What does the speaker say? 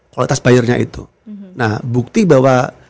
kualitas bayarnya itu nah bukti bahwa